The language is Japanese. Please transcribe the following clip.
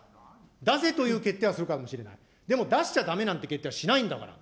出せという決定はするかもしれない、でも出しちゃだめなんて決定はしないんだから。